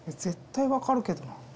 絶対分かるけどな。